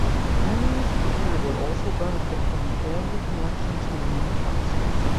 Henry's career would also benefit from the family connection to the Newcastles.